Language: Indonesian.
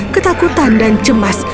ketakutan dan cemas